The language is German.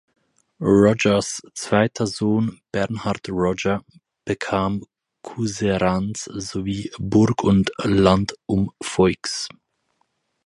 Rogers zweiter Sohn, Bernard Roger, bekam Couserans sowie Burg und Land um Foix.